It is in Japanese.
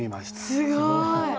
すごい。